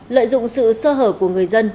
lợi dụng sự sơ hở của người dân